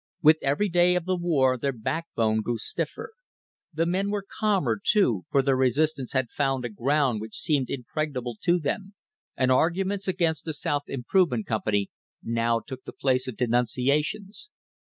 With every day of the war their backbone grew stiffen The men were calmer, too, for their resistance had found a ground which seemed impregnable to them, and arguments against the South Im provement Company now took the place of denunciations.